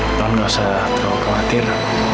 non gak usah terlalu khawatir